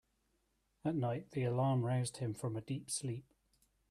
At night the alarm roused him from a deep sleep.